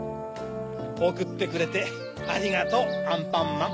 おくってくれてありがとうアンパンマン。